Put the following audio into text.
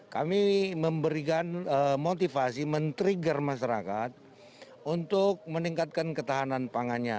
kami memberikan motivasi men trigger masyarakat untuk meningkatkan ketahanan pangannya